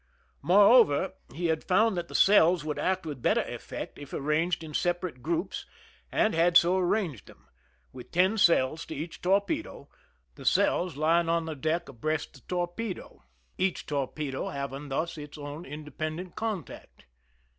Moreover, he had found that the cells would act with better effect if arranged in separate groups, and had so arranged them, with , ten cells to each torpedo, the cells lying on the deck abreast the torpedo, each torpedo having thus its 76 \ BSs^lGX